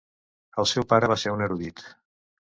El seu pare va ser un erudit.